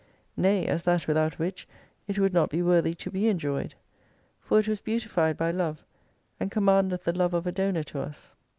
Nay as that without which it would not be worthy to be enjoyed. For it was beautified by love, and com mandeth the love of a Donor to us.